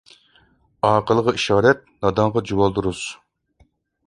ئاقىلغا ئىشارەت، نادانغا جۇۋالدۇرۇز.